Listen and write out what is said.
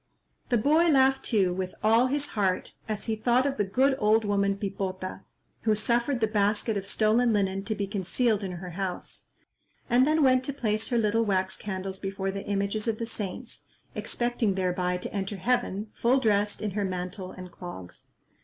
The boy laughed too with all his heart, as he thought of the good old woman Pipota, who suffered the basket of stolen linen to be concealed in her house, and then went to place her little wax candles before the images of the saints, expecting thereby to enter heaven full dressed in her mantle and clogs.